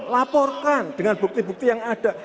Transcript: laporkan dengan bukti bukti yang ada